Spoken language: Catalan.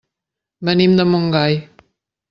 Venim de Montgai.